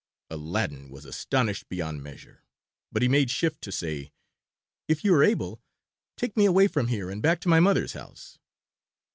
Aladdin was astonished beyond measure, but he made shift to say, "If you are able, take me away from here and back to my mother's house."